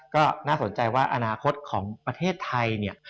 ก็น่าสนใจว่าอนาคตของประเทศไทยเนี่ย